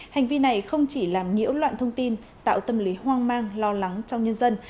hành vi này không chỉ làm nhiễu loạn thông tin tạo tâm lý hoang mang lo lắng trong nhân dân